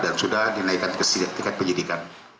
dan sudah dinaikkan ke sisi ketika penyidikan